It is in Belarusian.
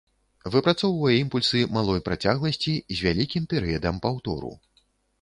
Выпрацоўвае імпульсы малой працягласці з вялікім перыядам паўтору.